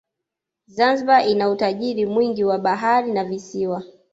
zanzibar ina utajiri mwingi wa bahari na visiwa